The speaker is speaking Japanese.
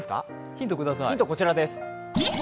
ヒント、こちらです。